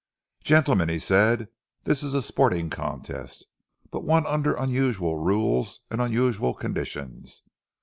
"Gentlemen," he said, "this is a sporting contest, but one under unusual rules and unusual conditions.